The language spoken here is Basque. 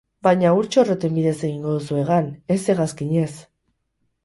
Baina ur txorroten bidez egingo duzu hegan, ez hegazkinez.